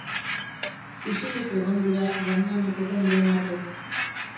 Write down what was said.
Isilik egon dira Damianek eten duen arte.